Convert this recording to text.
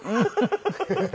フフフフ。